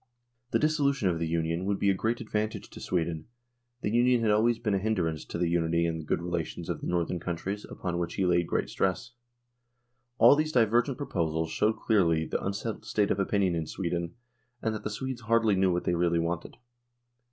The dissolution of the Union would be a great advantage to Sweden ; the Union had always been a hindrance to the unity and the good relations of the Northern countries, upon which he laid great stress. All these divergent proposals showed clearly the unsettled state of opinion in Sweden, and that the Swedes hardly knew what they really wanted.